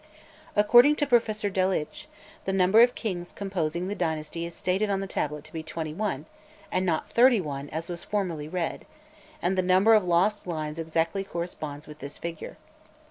According to Professor Delitzsch, the number of kings composing the dynasty is stated on the tablet to be twenty one, and not thirty one as was formerly read, and the number of lost lines exactly corresponds with this figure.